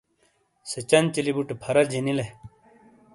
سے چنچیلی بُٹے پھَرا جینیلے۔